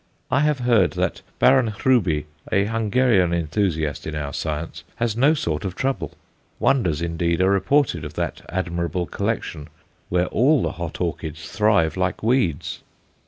I have heard that Baron Hruby, a Hungarian enthusiast in our science, has no sort of trouble; wonders, indeed, are reported of that admirable collection, where all the hot orchids thrive like weeds.